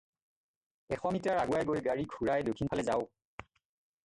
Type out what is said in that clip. এশ মিটাৰ আগুৱাই গৈ গাড়ী ঘূৰাই দক্ষিণফালে যাওঁক।